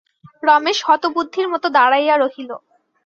রমেশ হতবুদ্ধির মতো দাঁড়াইয়া রহিল।